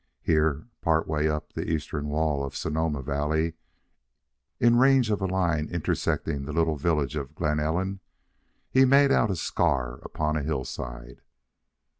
Here, part way up the eastern wall of Sonoma Valley, in range of a line intersecting the little village of Glen Ellen, he made out a scar upon a hillside.